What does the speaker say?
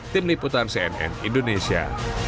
tim liputan cnn indonesia